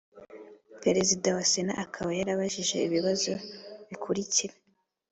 Perezida wa sena akaba yarabajijwe ibi bibazo bikurikira.